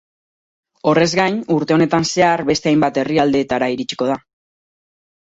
Horrez gain, urte honetan zehar beste hainbat herrialdeetara iritsiko da.